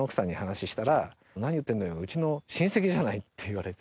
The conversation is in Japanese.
「何言ってんのようちの親戚じゃない」って言われて。